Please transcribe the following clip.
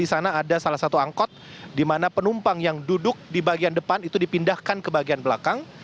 salah satu angkot dimana penumpang yang duduk di bagian depan itu dipindahkan ke bagian belakang